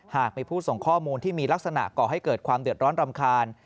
หากมีผู้ส่งข้อมูลที่มีลักษณะก่อให้เกิดความเดือดร้อนรำคาญ